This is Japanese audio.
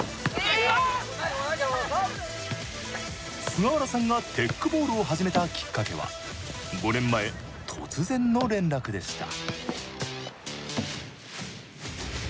菅原さんがテックボールを始めたきっかけは５年前突然の連絡でした。